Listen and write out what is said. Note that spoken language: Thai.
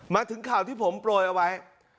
มาถึงข่าวที่ผมโปรยเอาไว้